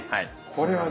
これはね